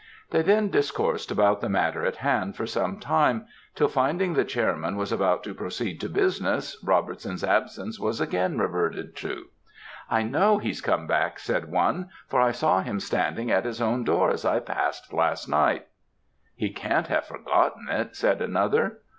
"They then discoursed about the matter in hand for some time, till finding the chairman was about to proceed to business, Robertson's absence was again reverted to. "'I know he's come back,' said one, 'for I saw him standing at his own door as I passed last night.' "'He can't have forgotten it,' said another.